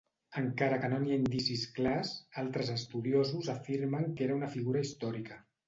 Encara que no n'hi ha indicis clars, altres estudiosos afirmen que era una figura històrica.